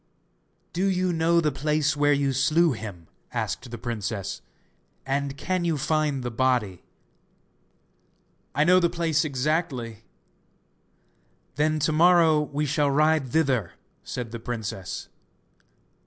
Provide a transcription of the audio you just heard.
'Do you know the place where you slew him?' asked the princess, 'and can you find the body?' 'I know the place exactly.' 'Then to morrow we shall ride thither,' said the princess.